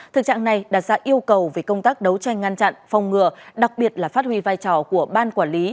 thực trạng này đặt ra yêu cầu về công tác đấu tranh ngăn chặn phong ngừa đặc biệt là phát huy vai trò của ban quản lý